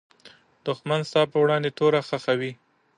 دښمن ستا پر وړاندې توره خښوي